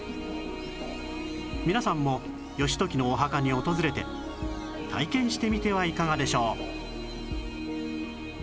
皆さんも義時のお墓に訪れて体験してみてはいかがでしょう？